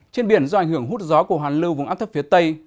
trên biển do ảnh hưởng hút gió của hoàn lưu vùng áp thấp phía tây